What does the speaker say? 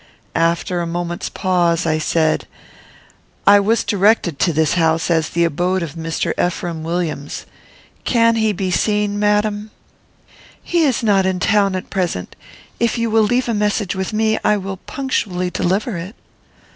After a moment's pause, I said, "I was directed to this house as the abode of Mr. Ephraim Williams. Can he be seen, madam?" "He is not in town at present. If you will leave a message with me, I will punctually deliver it."